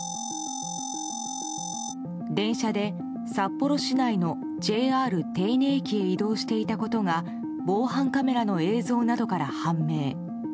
電車で札幌市内のＪＲ手稲駅に移動していたことが防犯カメラの映像などから判明。